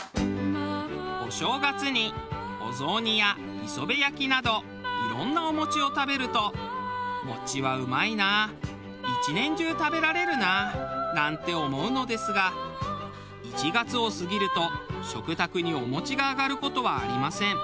お正月にお雑煮や磯部焼きなどいろんなお餅を食べると「餅はうまいなあ１年中食べられるなあ」なんて思うのですが１月を過ぎると食卓にお餅があがる事はありません。